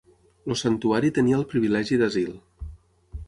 El santuari tenia el privilegi d'asil.